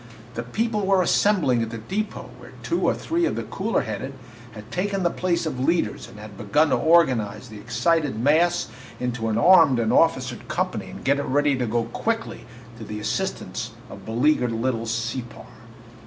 The people were assembling at the depot, where two or three of the cooler headed had taken the place of leaders and had begun to organize the excited mass into an armed and officered company and get it ready to go quickly to the assistance of beleaguered little Separ.